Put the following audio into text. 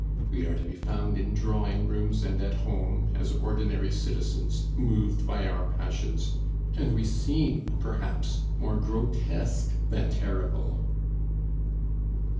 We are to be found in drawing rooms and at home, as ordinary citizens, moved by our passions; and we seem, perhaps, more grotesque than terrible."